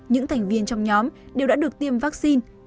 những thành viên trong nhóm đều đã được tiêm vaccine